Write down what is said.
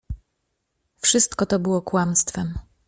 Wszystko to było kłamstwem.